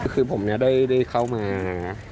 คือผมได้เข้ามา